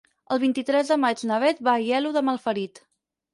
El vint-i-tres de maig na Beth va a Aielo de Malferit.